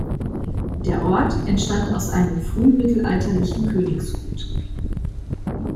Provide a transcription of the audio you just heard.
Der Ort entstand aus einem frühmittelalterlichen Königsgut.